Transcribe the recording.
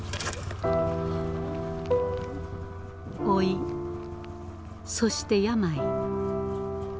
老いそして病。